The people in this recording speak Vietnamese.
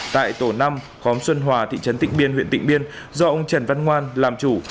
tại tổ năm khóm xuân hòa thị trấn tịnh biên huyện tịnh biên do ông trần văn ngoan làm chủ